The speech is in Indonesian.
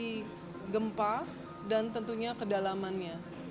dari gempa dan tentunya kedalamannya